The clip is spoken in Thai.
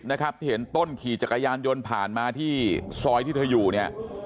นะครับที่เห็นต้นขี่จักรยานยนต์ผ่านมาที่ซอยที่เธออยู่เนี่ย